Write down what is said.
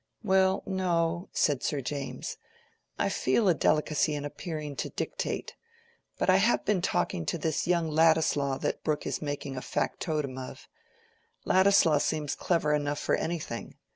"Well, no," said Sir James; "I feel a delicacy in appearing to dictate. But I have been talking to this young Ladislaw that Brooke is making a factotum of. Ladislaw seems clever enough for anything.